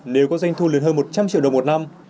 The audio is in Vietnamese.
nếu có doanh thu lớn hơn một trăm linh triệu đồng một năm